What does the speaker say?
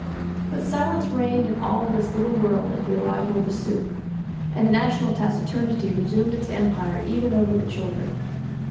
But silence reigned in all this little world at the arrival of the soup, and the national taciturnity resumed its empire even over the children.